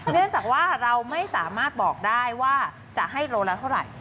เนื่องจากว่าเราไม่สามารถบอกได้ว่าจะให้โลละเท่าไหร่